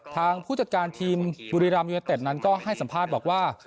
ผู้จัดการทีมบุรีรัมยูเนเต็ดนั้นก็ให้สัมภาษณ์บอกว่า